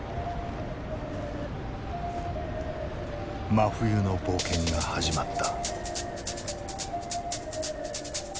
真冬の冒険が始まった。